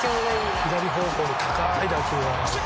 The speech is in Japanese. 「左方向に高い打球が」